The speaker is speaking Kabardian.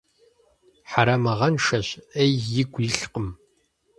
Хьэрэмыгъэншэщ, Ӏей игу илъкъым.